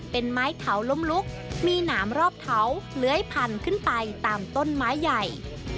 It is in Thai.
เป็นไม้เถาล้มลุกมีหนามรอบเขาเลื้อยพันขึ้นไปตามต้นไม้ใหญ่